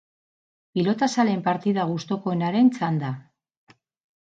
Pilotazaleen partida gustukoenaren txanda.